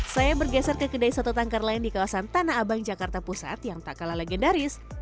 saya bergeser ke kedai soto tangkar lain di kawasan tanah abang jakarta pusat yang tak kalah legendaris